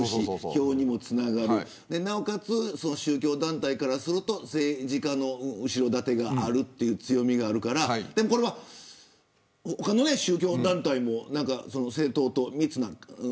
票にもつながる、なおかつ宗教団体からすると政治家の後ろ盾があるという強みがあるからこの他の宗教団体も政党と密なのか。